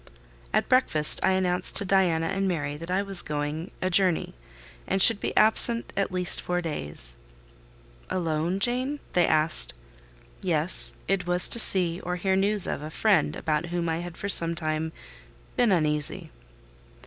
At breakfast I announced to Diana and Mary that I was going a journey, and should be absent at least four days. "Alone, Jane?" they asked. "Yes; it was to see or hear news of a friend about whom I had for some time been uneasy."